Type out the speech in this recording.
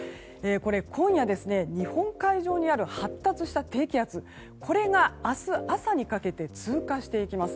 今夜、日本海上にある発達した低気圧これが明日朝にかけて通過していきます。